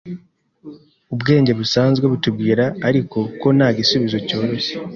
Ubwenge busanzwe butubwira, ariko, ko nta gisubizo cyoroshye.